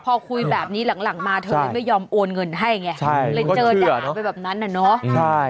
พอคุยแบบนี้หลังมาเธอเลยไม่ยอมโอนเงินให้ไงเลยเจอด่าไปแบบนั้นน่ะเนาะ